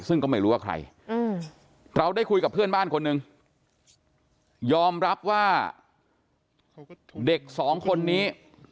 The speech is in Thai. ซึ่งก็ไม่รู้ว่าใครเราได้คุยกับเพื่อนบ้านคนหนึ่งยอมรับว่าเด็กสองคนนี้